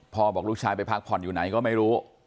บอกลูกชายไปพักผ่อนอยู่ไหนก็ไม่รู้